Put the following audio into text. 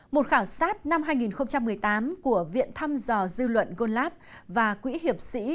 một khảo sát năm hai nghìn một mươi tám của viện thăm dò dư luận gold lab và quỹ hiệp sĩ